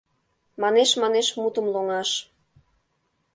Манеш-манеш мутым лоҥаш.